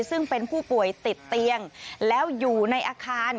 ซึ่งเป็นผู้ป่วยติดเตียงแล้วอยู่ในอาคาร